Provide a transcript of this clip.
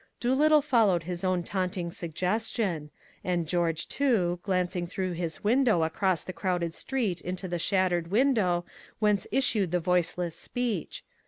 Doolittle followed his own taunting suggestion; and George, too, glanced through his window across the crowded street into the shattered window whence issued the Voiceless Speech.